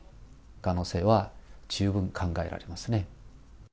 可能性は十分考えられますね。